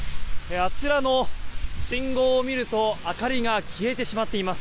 あちらの信号を見ると明かりが消えてしまっています。